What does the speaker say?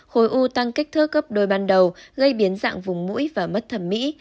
khối u tăng kích thước gấp đôi ban đầu gây biến dạng vùng mũi và mất thẩm mỹ